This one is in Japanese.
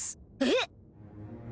えっ！